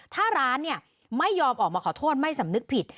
ถ้าร้านไม่ยอมออกมาขอโทษไม่สำนึกผิด